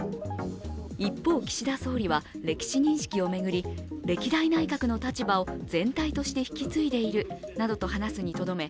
一方、岸田総理は歴史認識を巡り歴代内閣の立場を全体として引き継いでいるなどと話すにとどめ